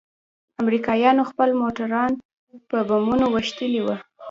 امريکايانوخپل موټران په بمونو ويشتلي وو.